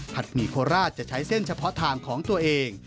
หมี่โคราชจะใช้เส้นเฉพาะทางของตัวเอง